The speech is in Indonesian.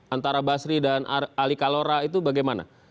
antara basri dan ali kalora itu bagaimana